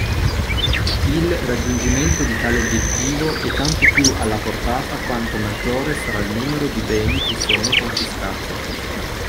Il raggiungimento di tale obiettivo è tanto più alla portata quanto maggiore sarà il numero di beni che sono confiscati